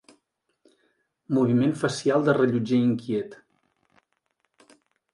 Moviment facial de rellotger inquiet.